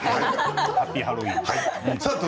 ハッピーハロウィーン！